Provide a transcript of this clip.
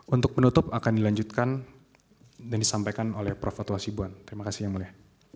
untuk penutup akan dilanjutkan dan disampaikan oleh prof fatwa sibuan terima kasih yang mulia